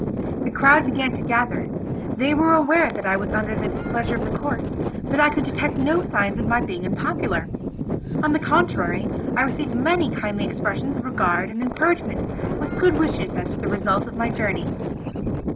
The crowd began to gather; they were aware that I was under the displeasure of the court, but I could detect no signs of my being unpopular. On the contrary, I received many kindly expressions of regard and encouragement, with good wishes as to the result of my journey.